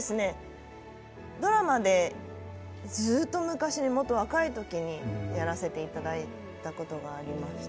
ドラマで、ずっと昔にうんと若い時にやらせていただいたことはありました。